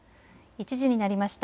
１時になりました。